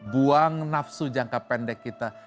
buang nafsu jangka pendek kita